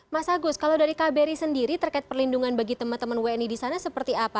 mas agus kalau dari kbri sendiri terkait perlindungan bagi teman teman wni di sana seperti apa